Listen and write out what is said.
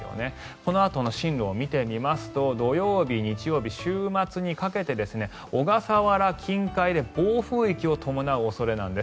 このあとの進路を見てみますと土曜日、日曜日、週末にかけて小笠原近海で暴風域を伴う恐れなんです。